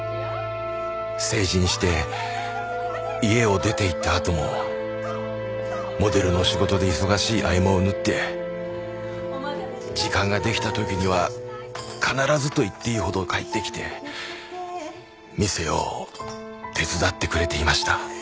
成人して家を出ていったあともモデルの仕事で忙しい合間を縫って時間が出来た時には必ずと言っていいほど帰ってきて店を手伝ってくれていました。